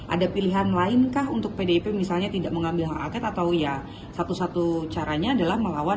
ada pilihan lain kah untuk pdip misalnya tidak mengambil hak angket atau ya satu satu caranya adalah melawan